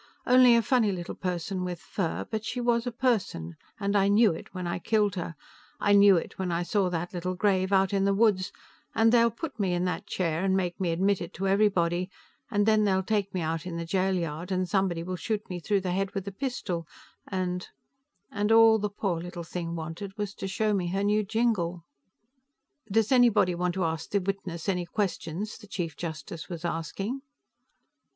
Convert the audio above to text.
Only a funny little person with fur, but she was a person, and I knew it when I killed her, I knew it when I saw that little grave out in the woods, and they'll put me in that chair and make me admit it to everybody, and then they'll take me out in the jail yard and somebody will shoot me through the head with a pistol, and _ And all the poor little thing wanted was to show me her new jingle! "Does anybody want to ask the witness any questions?" the Chief Justice was asking.